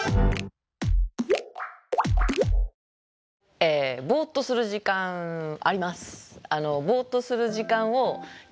えぼーっとする時間あります。